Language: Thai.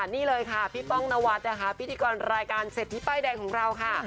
นี่เลยค่ะพี่ป้องนวัดนะคะพิธีกรรายการเศรษฐีป้ายแดงของเราค่ะ